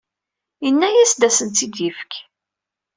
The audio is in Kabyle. Ini-as ad asen-t-id-yefk.